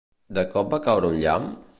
De cop va caure un llamp?